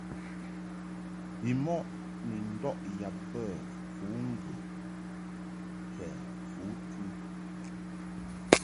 Bimɔʼ ni ndɔʼ yab bə fǔŋgə kɛ fǔtɨ.